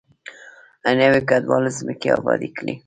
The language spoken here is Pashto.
نویو کډوالو ځمکې ابادې کړې.